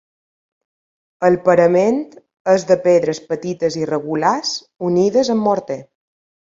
El parament és de pedres petites irregulars unides amb morter.